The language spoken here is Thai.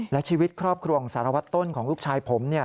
และชีวิตครอบครัวของสารวัตรต้นของลูกชายผม